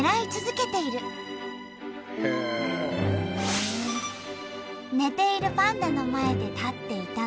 寝ているパンダの前で立っていたのはそのため。